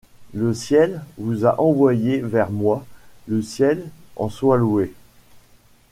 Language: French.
Le Ciel vous a envoyés vers moi, le Ciel en soit loué!